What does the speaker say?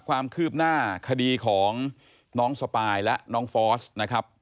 ความคืบหน้าคดีของน้องสปายและน้องฟอสนะครับ